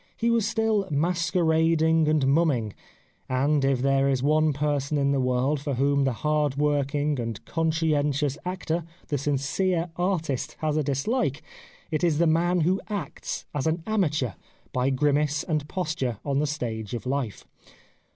He was still masquerading and mumming ; and if there is one person in the world for whom the hardworking and conscientious actor, the sincere artist, has a dislike, it is the man who acts, as an amateur, by grimace and posture on the stage of life.